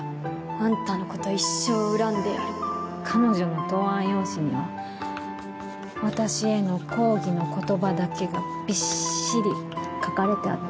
あんたのこと一生恨んでやる彼女の答案用紙には私への抗議の言葉だけがびっしり書かれてあったんです。